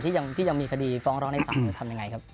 ที่ยังมีคดีฟ้องร้องในศาลหรือทำยังไงครับ